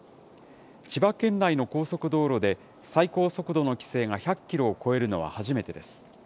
千葉県内の高速道路で、最高速度の規制が１００キロを超えるのは初めてです。